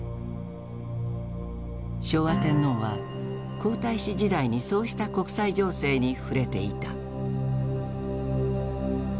昭和天皇は皇太子時代にそうした国際情勢に触れていた。